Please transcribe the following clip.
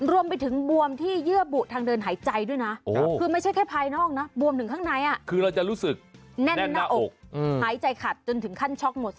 รวมไปถึงบวมที่เยื่อบุทางเดินหายใจด้วยนะคือไม่ใช่แค่ภายนอกนะบวมถึงข้างในคือเราจะรู้สึกแน่นหน้าอกหายใจขัดจนถึงขั้นช็อกหมด